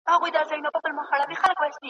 هر قدم مي لکه سیوری لېونتوب را سره مل دی ,